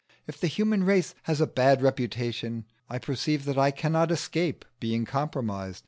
If the human race has a bad reputation, I perceive that I cannot escape being compromised.